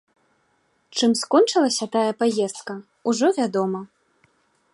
Чым скончылася тая паездка, ужо вядома.